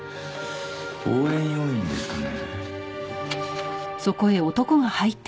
応援要員ですかね？